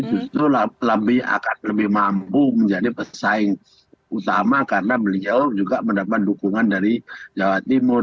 justru akan lebih mampu menjadi pesaing utama karena beliau juga mendapat dukungan dari jawa timur